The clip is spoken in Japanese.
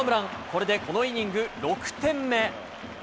これでこのイニング、６点目。